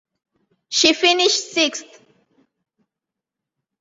She finished sixth.